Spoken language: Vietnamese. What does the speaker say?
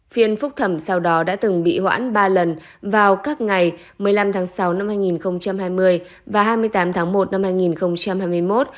phiên phúc thẩm sau đó đã từng bị hoãn ba lần vào các ngày một mươi năm tháng sáu năm hai nghìn hai mươi và hai mươi tám tháng một năm hai nghìn hai mươi một